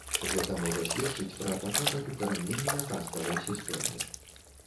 Гэта можа сведчыць пра пачатак укаранення каставай сістэмы.